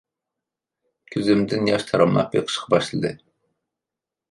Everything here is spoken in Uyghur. كۆزۈمدىن ياش تاراملاپ ئېقىشقا باشلىدى.